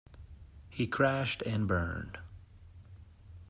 He crashed and burned